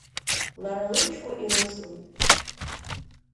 Лара лымчқәа ирыцлеит.